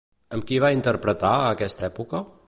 Amb qui va interpretar a aquesta època?